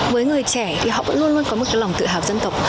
với người trẻ thì họ vẫn luôn luôn có một cái lòng tự hào dân tộc